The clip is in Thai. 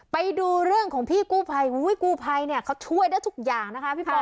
ไปดูเรื่องของพี่กู้ภัยกู้ภัยเนี่ยเขาช่วยได้ทุกอย่างนะคะพี่ปอ